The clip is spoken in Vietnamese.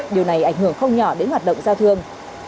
điều này ảnh hưởng không nhỏ đến hoạt động giao thương